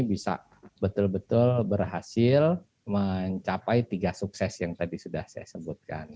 bisa betul betul berhasil mencapai tiga sukses yang tadi sudah saya sebutkan